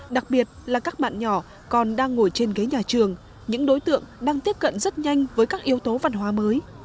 đặc biệt là các bạn nhỏ còn đang ngồi trên ghế nhà trường những đối tượng đang tiếp cận rất nhanh với các yếu tố văn hóa mới